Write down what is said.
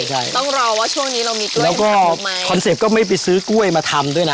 ใช่ต้องรอว่าช่วงนี้เรามีกล้วยแล้วก็คอนเซ็ปต์ก็ไม่ไปซื้อกล้วยมาทำด้วยนะ